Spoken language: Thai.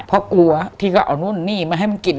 เพราะกลัวที่ก็เอานู่นนี่มาให้มันกิน